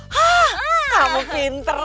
hah kamu pinter